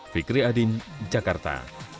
fikri adin jakarta